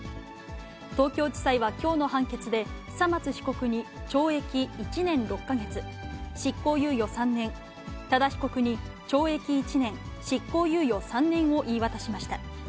東京地裁はきょうの判決で、久松被告に懲役１年６か月、執行猶予３年、多田被告に懲役１年、執行猶予３年を言い渡しました。